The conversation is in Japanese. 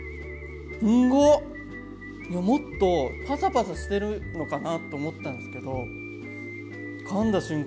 もっとパサパサしてるのかなと思ってたんですけどかんだ瞬間